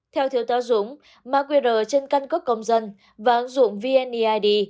theo thiếu tá dũng mã qr trên căn cước công dân và ứng dụng vneid